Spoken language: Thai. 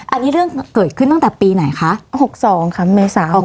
อันนี้เรื่องเกิดขึ้นตั้งแต่ปีไหนคะหกสองค่ะเมษาหกสอง